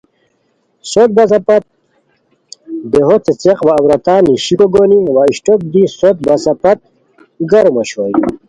سوت بسہ پت دیہو څیڅیق وا عورتان نیشیکو گونی وا اشٹوک دی سوت بسہ پت گرم اوشوئے